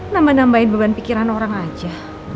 nambah nambahin beban pikiran orang aja